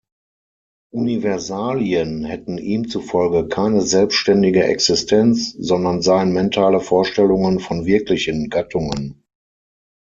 Universalien hätten ihm zufolge keine selbständige Existenz, sondern seien mentale Vorstellungen von wirklichen Gattungen.